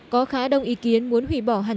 có khá đông ý kiến muốn hủy bỏ các điều này